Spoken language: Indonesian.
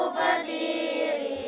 marilah kita berseru